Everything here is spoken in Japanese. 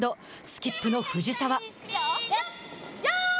スキップの藤澤。